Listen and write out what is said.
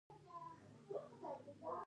د کندز ابي ځمکې شالې کوي؟